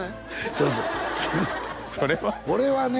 そうそうそれは俺はね